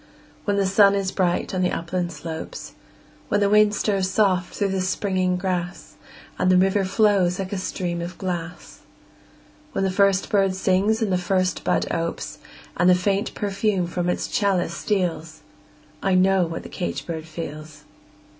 When the sun is bright on the upland slopes; When the wind stirs soft through the springing grass, And the river flows like a stream of glass; When the first bird sings and the first bud opes, And the faint perfume from its chalice steals I know what the caged bird feels!